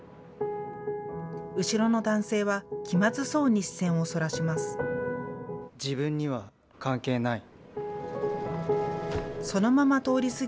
後ろの男性は気まずそうに視線をそらします。